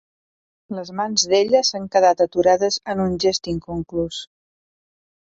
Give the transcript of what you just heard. Les mans d’ella s’han quedat aturades en un gest inconclús.